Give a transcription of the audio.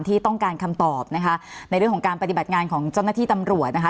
ที่ต้องการคำตอบนะคะในเรื่องของการปฏิบัติงานของเจ้าหน้าที่ตำรวจนะคะ